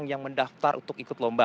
mereka sudah mendaftar untuk ikut lomba